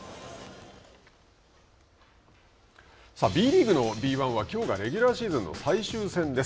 ＢリーグのＢ１はきょうがレギュラーシーズンの最終戦です。